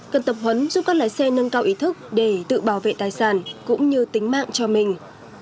cần tập huấn giúp các lái xe nâng cao ý thức để tự bảo vệ tài sản cũng như tính mạng cho mình